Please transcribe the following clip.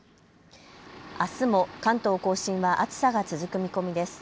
あすも関東甲信は暑さが続く見込みです。